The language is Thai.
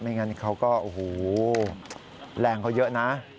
งั้นเขาก็โอ้โหแรงเขาเยอะนะ